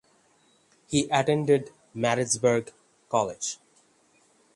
He attended Maritzburg College.